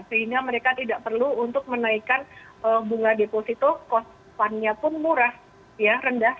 sehingga mereka tidak perlu untuk menaikkan bunga deposito kosannya pun murah rendah